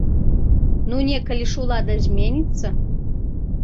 Ну некалі ж улада зменіцца!